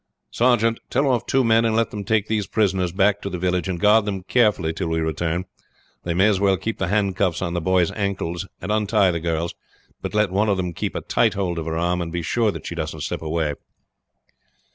"Sergeant, tell off two men and let them take these prisoners back to the village, and guard them carefully till we return. They may as well keep the handcuffs on the boy's ankles, and untie the girl's; but let one of them keep a tight hold of her arm, and be sure that she doesn't slip away."